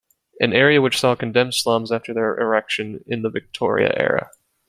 An area which saw condemned slums after their erection in the Victoria era.